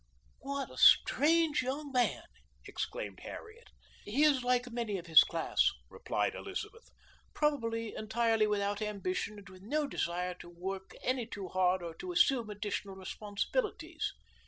"What a strange young man," exclaimed Harriet. "He is like many of his class," replied Elizabeth, "probably entirely without ambition and with no desire to work any too hard or to assume additional responsibilities."